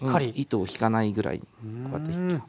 糸を引かないぐらいこうやって。